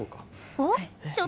おっ！